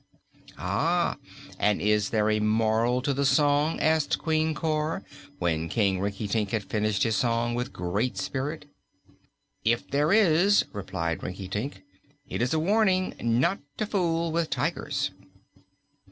"And is there a moral to the song?" asked Queen Cor, when King Rinkitink had finished his song with great spirit. "If there is," replied Rinkitink, "it is a warning not to fool with tigers."